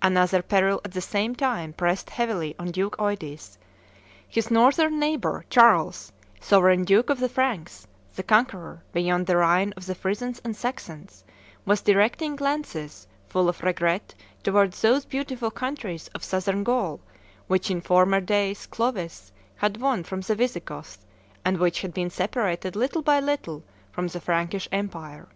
Another peril at the same time pressed heavily on Duke Eudes: his northern neighbor, Charles, sovereign duke of the Franks, the conqueror, beyond the Rhine, of the Frisons and Saxons, was directing glances full of regret towards those beautiful countries of Southern Gaul, which in former days Clovis had won from the Visigoths, and which had been separated, little by little, from the Frankish empire.